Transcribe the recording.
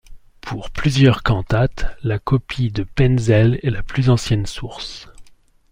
Pour plusieurs cantates, la copie de Penzel est la plus ancienne source.